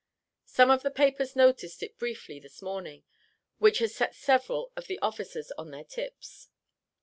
Some of the papers noticed it briefly this morning, which has set several of the officers on their tips.